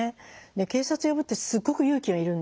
警察呼ぶってすっごく勇気がいるんですよ。